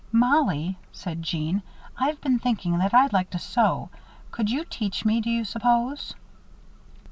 "Mollie," said Jeanne, "I've been thinking that I'd like to sew. Could you teach me, do you s'pose?"